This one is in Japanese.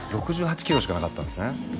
６８ｋｇしかなかったんすね